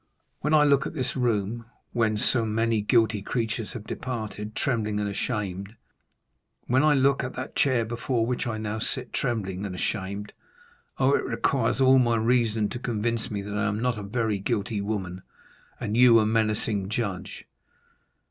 When I look at this room,—whence so many guilty creatures have departed, trembling and ashamed, when I look at that chair before which I now sit trembling and ashamed,—oh, it requires all my reason to convince me that I am not a very guilty woman and you a menacing judge."